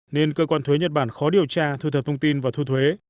nên cơ quan thuế nhật bản khó điều tra thu thập thông tin và thu thuế